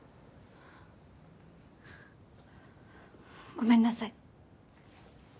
ごめんなさい。